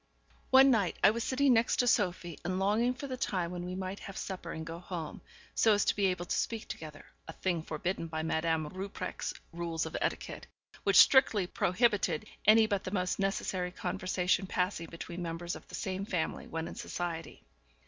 One night I was sitting next to Sophie, and longing for the time when we might have supper and go home, so as to be able to speak together, a thing forbidden by Madame Rupprecht's rules of etiquette, which strictly prohibited any but the most necessary conversation passing between members of the same family when in society.